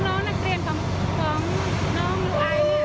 และความสุขของคุณค่ะ